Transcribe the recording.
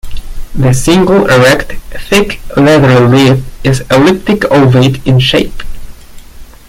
The single, erect, thick, leathery leaf is elliptic-ovate in shape.